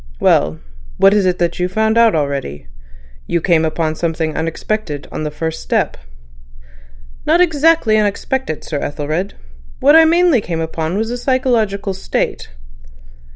"Well! What is it that you've found out already? You came upon something unexpected on the first step." "Not exactly unexpected, Sir Ethelred. What I mainly came upon was a psychological state."